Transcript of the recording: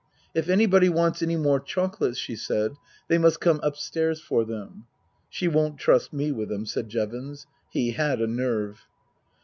" If anybody wants any more chocolates," she said, " they must come upstairs for them." " She won't trust me with them," said Jevons. (He had a nerve.)